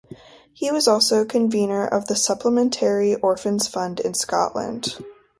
He was also Convenor of the Supplementary Orphans Fund in Scotland.